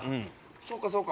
そうかそうか。